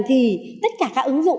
thì tất cả các ứng dụng